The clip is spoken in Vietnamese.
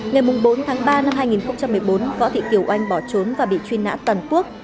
ngày bốn tháng ba năm hai nghìn một mươi bốn võ thị kiều oanh bỏ trốn và bị truy nã toàn quốc